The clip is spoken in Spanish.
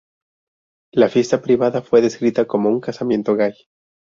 La fiesta privada fue descrita como un "casamiento gay".